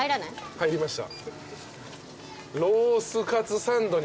入りました。